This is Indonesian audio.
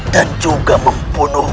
dan juga mempunuhku